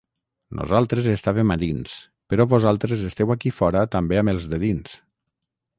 Nosaltres estàvem a dins, però vosaltres esteu aquí fora també amb els de dins.